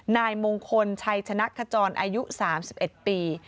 นายมงคลชัยชนะขจรอายุ๓๑ปี